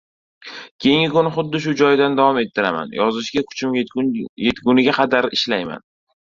Keyingi kun xuddi shu joydan davom ettiraman. Yozishga kuchim yetguniga qadar ishlayman.